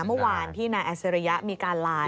เมื่อวานที่นายอัชริยะมีการไลน์